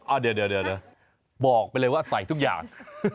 อ่ะเดี๋ยวบอกไปเลยว่าใส่ทุกอย่าง